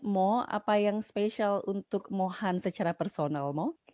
mo apa yang spesial untuk mohan secara personal mo